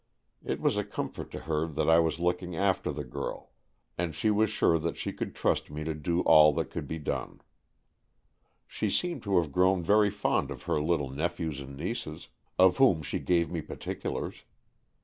It was a com fort to her that I was looking after the girl, and she was sure she could trust me to do all that could be done. She seemed to have grown very fond of her little nephews and nieces, of whom she gave me particulars.